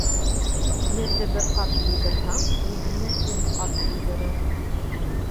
Ерҙе бер ҡат туйҙырһаң, ул һине ун ҡат туйҙырыр.